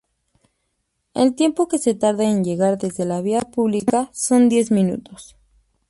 El tiempo que se tarda en llegar desde la vía pública son diez minutos.